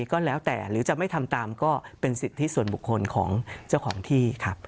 ก็แล้วแต่หรือจะไม่ทำตามก็เป็นสิทธิส่วนบุคคลของเจ้าของที่ครับ